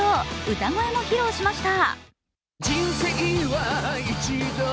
歌声も披露しました。